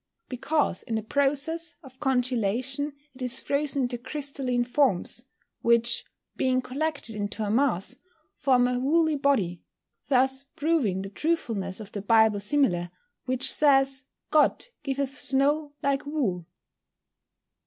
_ Because in the process of congealation it is frozen into crystalline forms, which, being collected into a mass, form a woolly body, thus proving the truthfulness of the Bible simile, which says, God "giveth snow like wool."